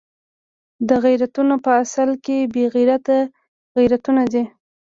دا غیرتونه په اصل کې بې غیرته غیرتونه دي.